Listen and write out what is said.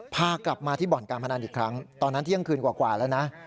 พากลับมาที่บ่อนการพนันอีกครั้งตอนนั้นเที่ยงคืนกว่าแล้วนะ